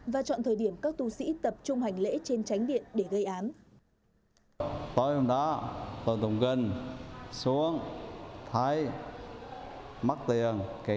và chọn thời điểm các tu sĩ tập trung hành lễ trên tỉnh bình định